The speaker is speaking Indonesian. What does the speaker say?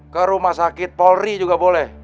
ke rumah sakit polri juga boleh